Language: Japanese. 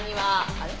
あれ？